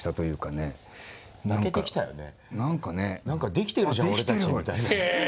できてるじゃん俺たちみたいな。